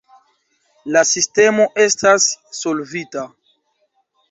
La sistemo estas solvita.